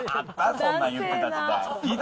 そんな言ってた？